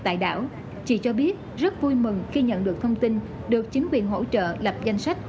tại đảo chị cho biết rất vui mừng khi nhận được thông tin được chính quyền hỗ trợ lập danh sách